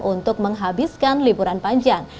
untuk menghabiskan liburan panjang